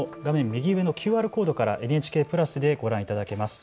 右上のＱＲコード、ＮＨＫプラスからご覧いただけます。